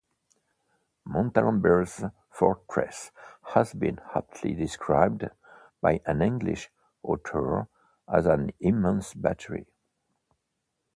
Montalembert's fortress has been aptly described by an English author as an immense battery.